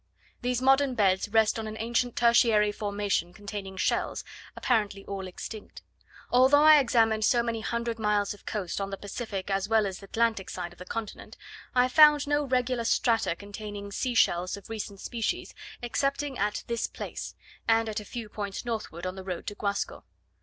These modern beds rest on an ancient tertiary formation containing shells, apparently all extinct. Although I examined so many hundred miles of coast on the Pacific, as well as Atlantic side of the continent, I found no regular strata containing sea shells of recent species, excepting at this place, and at a few points northward on the road to Guasco.